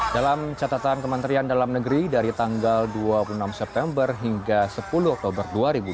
dalam catatan kementerian dalam negeri dari tanggal dua puluh enam september hingga sepuluh oktober dua ribu dua puluh